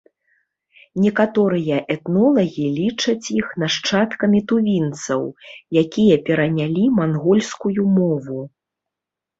Некаторыя этнолагі лічаць іх нашчадкамі тувінцаў, якія перанялі мангольскую мову.